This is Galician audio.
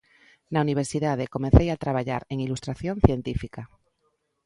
Na Universidade comecei a traballar en ilustración científica.